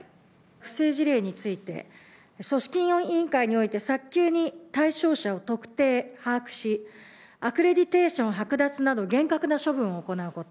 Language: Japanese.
不正事例について、組織委員会において、早急に対象者を特定、把握し、アクレディテーション剥奪など、厳格な処分を行うこと。